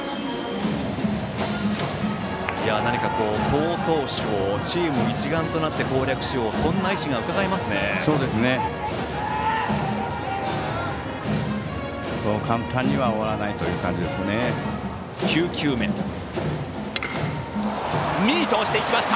好投手をチーム一丸となって攻略しようという意思がうかがえます。